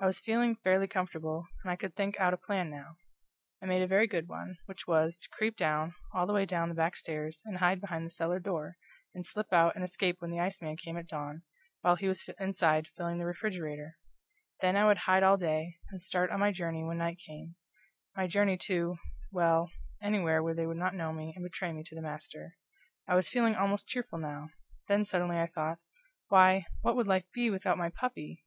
I was feeling fairly comfortable, and I could think out a plan now. I made a very good one; which was, to creep down, all the way down the back stairs, and hide behind the cellar door, and slip out and escape when the iceman came at dawn, while he was inside filling the refrigerator; then I would hide all day, and start on my journey when night came; my journey to well, anywhere where they would not know me and betray me to the master. I was feeling almost cheerful now; then suddenly I thought: Why, what would life be without my puppy!